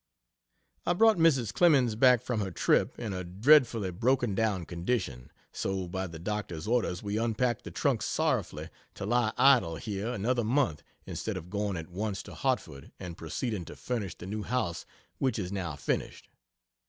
I brought Mrs. Clemens back from her trip in a dreadfully broken down condition so by the doctor's orders we unpacked the trunks sorrowfully to lie idle here another month instead of going at once to Hartford and proceeding to furnish the new house which is now finished.